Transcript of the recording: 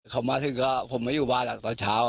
เขามาถึงแล้วผมมาอยู่บ้านตอนเช้า